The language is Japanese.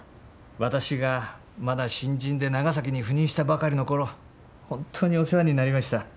私がまだ新人で長崎に赴任したばかりの頃本当にお世話になりました。